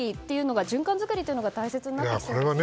循環作りというのが大切になってきますよね。